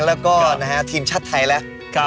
แล้วก็นะฮะทีมชาติไทยแหละครับ